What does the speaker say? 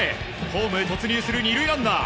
ホームへ突入する２塁ランナー。